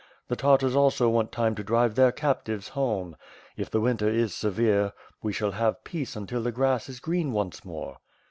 The Tartars also want time to drive their captives home. If the winter is severe, we shall have peace until the grass is green once more.''